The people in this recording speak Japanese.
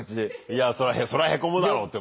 いやあそらへこむだろうって。